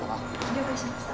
了解しました。